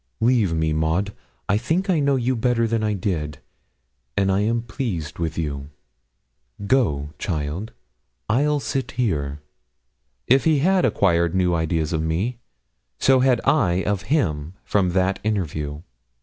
Leave me, Maud. I think I know you better than I did, and I am pleased with you. Go, child I'll sit here.' If he had acquired new ideas of me, so had I of him from that interview.